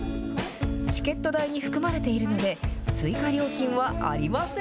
チケット代に含まれているので、追加料金はありません。